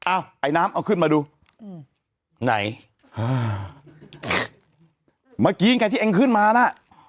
ไอ้น้ำเอาขึ้นมาดูอืมไหนอ่าเมื่อกี้ไงที่เองขึ้นมาน่ะ